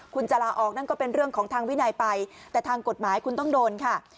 คุณจะลาออกนั่นก็เป็นเรื่องของทางวินัยไปแต่ทางกฎหมายคุณต้องโดนค่ะ